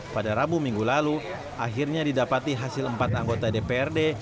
pada rabu minggu lalu akhirnya didapati hasil empat anggota dprd